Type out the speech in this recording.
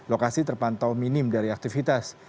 lokasi terpantau minim dari aktivitas